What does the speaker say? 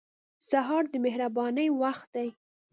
سهار د مهربانۍ وخت دی.